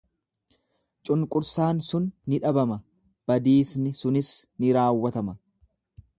Cunqursaan sun ni dhabama, badiisni sunis ni raawwatama.